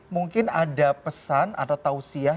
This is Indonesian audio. mungkin ada pesan atau tausiah